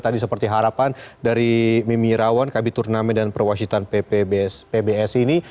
tadi seperti harapan dari mimmi rawon kb turnamen dan perwakilkanan pps ini